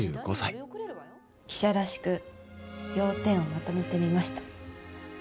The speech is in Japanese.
記者らしく要点をまとめてみました。